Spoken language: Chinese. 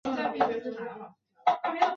由向井理主演。